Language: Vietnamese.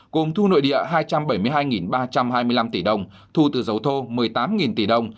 cùng thu nội địa hai trăm bảy mươi hai ba trăm hai mươi năm tỷ đồng thu từ dấu thô một mươi tám tỷ đồng